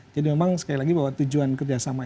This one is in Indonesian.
jadi memang sekali lagi bahwa tujuan kerjasama ini